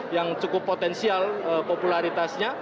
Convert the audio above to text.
yang cukup potensial popularitasnya